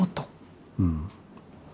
うん。